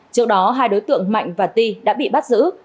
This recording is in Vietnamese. trước đó hai đối tượng mạnh và ti đã bị bắt giữ